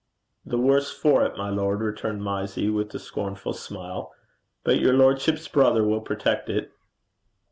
'The worse for it, my lord,' returned Mysie, with a scornful smile. 'But your lordship's brother will protect it.'